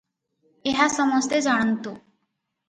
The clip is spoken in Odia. ଏହା ସମସ୍ତେ ଜାଣନ୍ତୁ ।